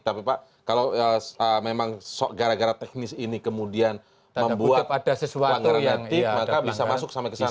tapi pak kalau memang gara gara teknis ini kemudian membuat pelanggaran etik maka bisa masuk sampai ke sana